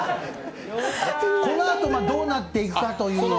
このあとが、どうなっていくかという。